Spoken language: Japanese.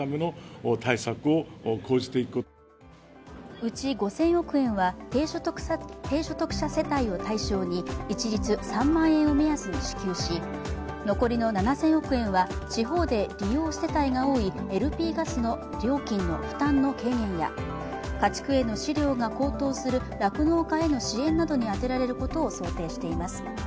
うち５０００億円は低所得者世帯を対象に一律３万円を目安に支給し、残りの７０００億円は地方で利用世帯が多いＬＰガスの料金負担の軽減や家畜への飼料が高騰する酪農家への支援などに充てられることを想定しています。